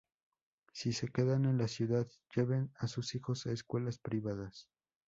Si se quedan en la ciudad, llevan a sus hijos a escuelas privadas.